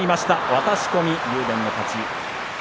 渡し込み、竜電の勝ち。